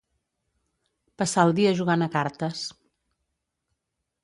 Passar el dia jugant a cartes.